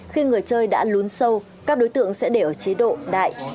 khi người chơi đã lún sâu các đối tượng sẽ để ở chế độ đại